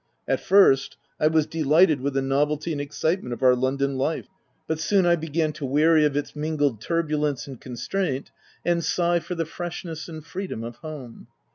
At first, I was delighted with the novelty and excitement of our London life ; but, soon, I began to weary of its mingled tur bulence and constraint, and sigh for the fresh ness and freedom of home.